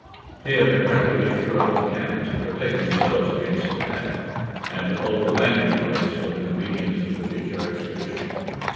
Here they rapidly threw up a camp to protect themselves against attack, and to hold the landing place for the convenience of the future expedition.